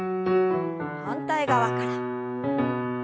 反対側から。